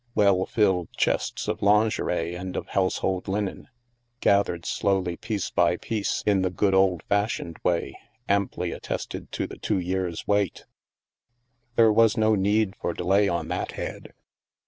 Well filled chests of lingerie and of household linen, gathered slowly piece by piece in the good old fash ioned way, amply attested to the two years' wait! There was no need for delay on that head.